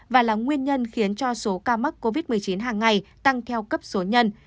và là nguyên nhân khiến cho số ca mắc covid một mươi chín hàng ngày tăng theo cấp số nhân